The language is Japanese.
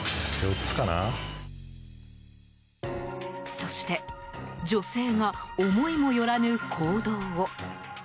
そして女性が思いもよらぬ行動を。